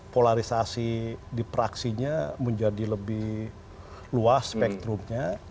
polarisasi di praksinya menjadi lebih luas spektrumnya